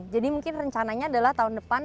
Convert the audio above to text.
jadi mungkin rencananya adalah tahun depan